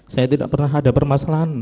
saya tidak pernah ada permasalahan